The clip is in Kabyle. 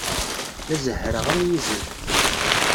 La zehhreɣ am yizem.